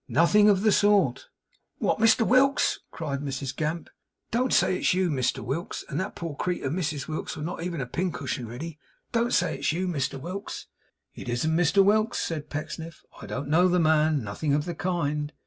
'Nothing of the sort.' 'What, Mr Whilks!' cried Mrs Gamp. 'Don't say it's you, Mr Whilks, and that poor creetur Mrs Whilks with not even a pincushion ready. Don't say it's you, Mr Whilks!' 'It isn't Mr Whilks,' said Pecksniff. 'I don't know the man. Nothing of the kind.